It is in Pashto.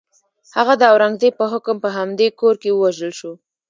هغه د اورنګزېب په حکم په همدې کور کې ووژل شو.